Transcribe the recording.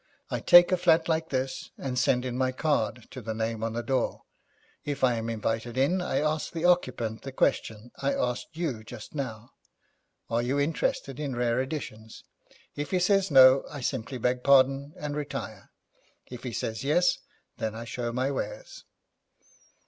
I take a flat like this, and send in my card to the name on the door. If I am invited in, I ask the occupant the question I asked you just now: "Are you interested in rare editions?" If he says no, I simply beg pardon and retire. If he says yes, then I show my wares.'